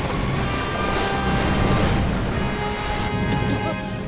あっ。